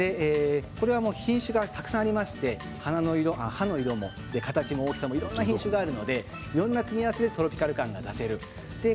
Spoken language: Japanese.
これは品種がたくさんありまして花の色、葉の色も形も大きさもいろいろあるのでいろいろの組み合わせでトロピカル感が出せます。